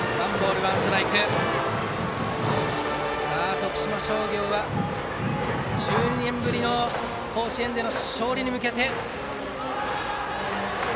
徳島商業は１２年ぶりの甲子園勝利に向けて。